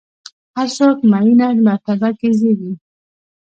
هر څوک معینه مرتبه کې زېږي.